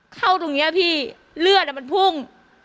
เข้าตรงนี้พี่เลือดมันพุ่ง